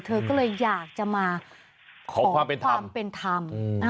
เธอก็เลยอยากจะมาขอความเป็นธรรม